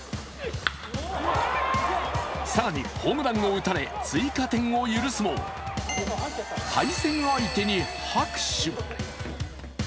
更にホームランを打たれ、追加点を許すも対戦相手に拍手。